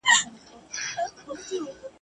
په توره شپه کي د آدم له زوی انسانه ګوښه ..